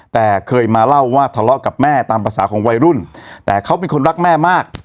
แต่เคยมาเล่าว่าทะเลาะกับแม่ตามภาษาของวัยรุ่นแต่เขาเป็นคนรักแม่มาก